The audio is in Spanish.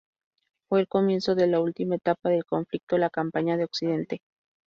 Fue el comienzo de la última etapa del conflicto: la campaña de Occidente.